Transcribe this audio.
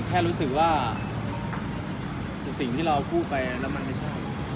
แค่รู้สึกว่าสิ่งที่เราพูดไปแล้วมันไม่ใช่